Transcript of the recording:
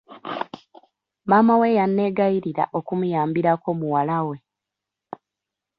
Maama we yanneegayirira okumuyambirako muwala we.